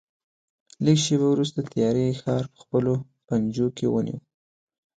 لږ شېبه وروسته تیارې ښار په خپلو پنجو کې ونیو.